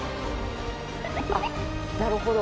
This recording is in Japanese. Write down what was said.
「あっなるほど。